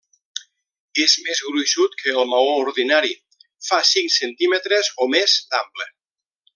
És més gruixut que el maó ordinari, fa cinc centímetres o més d'ample.